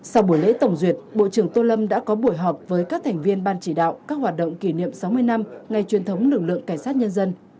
sau buổi lễ tổng duyệt bộ trưởng tô lâm đã có buổi họp với các thành viên ban chỉ đạo các hoạt động kỷ niệm sáu mươi năm ngày truyền thống lực lượng cảnh sát nhân dân